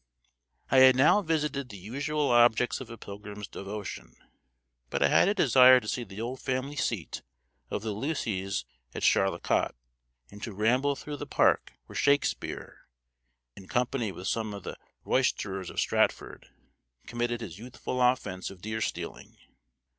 I had now visited the usual objects of a pilgrim's devotion, but I had a desire to see the old family seat of the Lucys at Charlecot, and to ramble through the park where Shakespeare, in company with some of the roisterers of Stratford, committed his youthful offence of deer stealing.